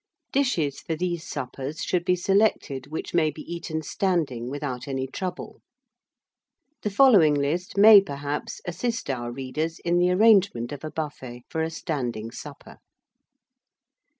Dishes for these suppers should be selected which may be eaten standing without any trouble. The following list may, perhaps, assist our readers in the arrangement of a buffet for a standing supper.